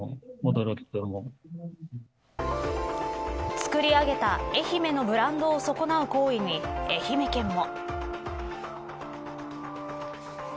作り上げた愛媛のブランドを損なう行為に愛媛県も。